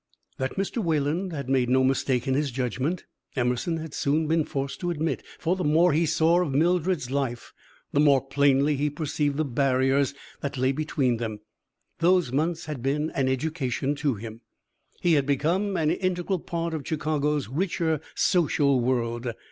That Mr. Wayland had made no mistake in his judgment, Emerson had soon been forced to admit; for the more he saw of Mildred's life, the more plainly he perceived the barriers that lay between them. Those months had been an education to him. He had become an integral part of Chicago's richer social world.